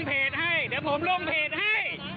ไม่เป็นไรเดี๋ยวผมล่วงเพจให้